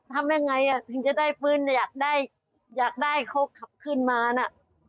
ทำยังไงถึงจะได้ฟื้นอยากได้โคกขับขึ้นมานะ